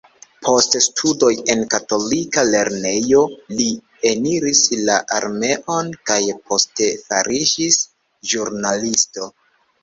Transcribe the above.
Post studoj en katolika lernejo, li eniris la armeon, kaj poste fariĝis ĵurnalisto.